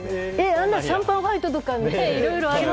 あんなシャンパンファイトとかいろいろありましたが。